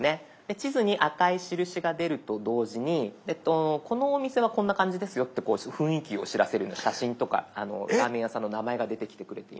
地図に赤い印が出ると同時にこのお店はこんな感じですよって雰囲気を知らせるような写真とかラーメン屋さんの名前が出てきてくれている。